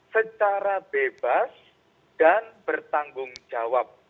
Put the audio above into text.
secara bebas dan bertanggung jawab